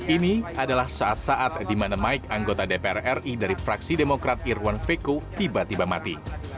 ini adalah saat saat di mana mike anggota dpr ri dari fraksi demokrat irwan veko tiba tiba mati